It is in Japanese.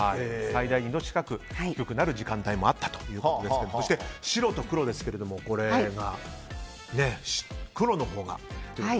最大２度近く低くなる時間帯もあったということですがそして白と黒ですが黒のほうがと。